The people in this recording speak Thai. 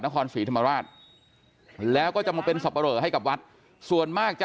นครศรีธรรมราชแล้วก็จะมาเป็นสับปะเหลอให้กับวัดส่วนมากจะ